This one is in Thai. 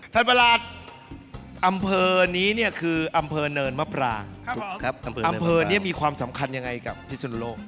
ประหลัดอำเภอนี้เนี่ยคืออำเภอเนินมะปรางอำเภอนี้มีความสำคัญยังไงกับพิสุนโลก